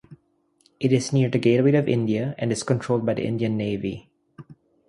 It is near the Gateway of India and is controlled by the Indian Navy.